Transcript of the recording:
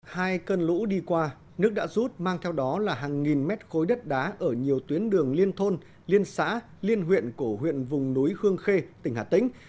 hai cơn lũ đi qua nước đã rút mang theo đó là hàng nghìn mét khối đất đá ở nhiều tuyến đường liên thôn liên xã liên huyện của huyện vùng núi hương khê tỉnh hà tĩnh